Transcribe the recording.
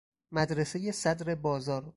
مدرسه صَدر بازار